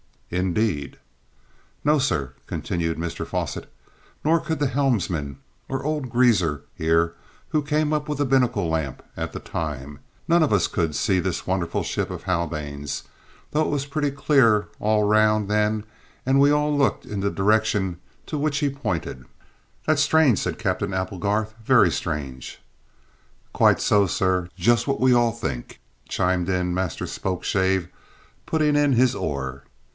"Indeed?" "No, sir," continued Mr Fosset; "nor could the helmsman or old Greazer here, who came up with the binnacle lamp at the time. Not one of us could see this wonderful ship of Haldane's, though it was pretty clear all round then, and we all looked in the direction to which he pointed." "That's strange," said Captain Applegarth, "very strange." "Quite so, sir, just what we all think, sir," chimed in Master Spokeshave, putting in his oar.